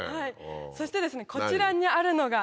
そしてこちらにあるのが。